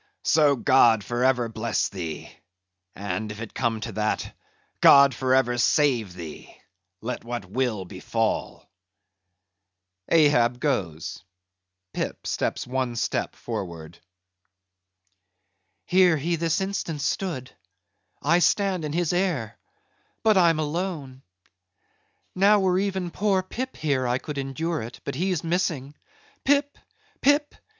So: God for ever bless thee; and if it come to that,—God for ever save thee, let what will befall." (Ahab goes; Pip steps one step forward.) "Here he this instant stood; I stand in his air,—but I'm alone. Now were even poor Pip here I could endure it, but he's missing. Pip! Pip!